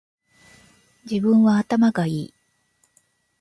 自分は頭がいい